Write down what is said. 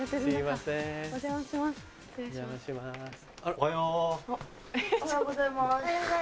・おはよう・おはようございます。